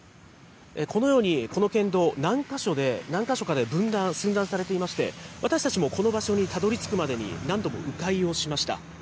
このようにこの県道、何か所かで分断、寸断されていまして、私たちもこの場所にたどりつくまでに何度もう回をしました。